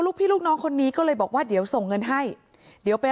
พี่ลูกน้องคนนี้ก็เลยบอกว่าเดี๋ยวส่งเงินให้เดี๋ยวไป